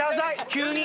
急に。